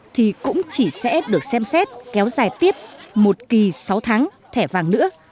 thì cũng chỉ sẽ được xem xét kéo dài tiếp một kỳ sáu tháng thẻ vàng nữa